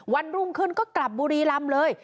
รุ่งขึ้นก็กลับบุรีรำเลย